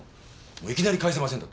もういきなり返せませんだと。